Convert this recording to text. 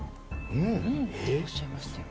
「うん」っておっしゃいましたよ